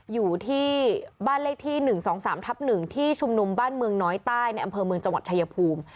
อยู่ที่บ้านเลขที่๑๒๓ทับ๑ที่ชุมนุมบ้านเมืองน้อยใต้ในอำเภอเมืองจังหวัดชายภูมิ